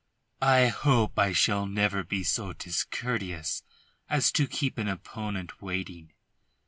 "I hope I shall never be so discourteous as to keep an opponent waiting.